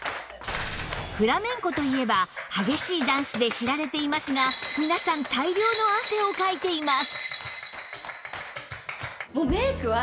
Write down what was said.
フラメンコといえば激しいダンスで知られていますが皆さん大量の汗をかいています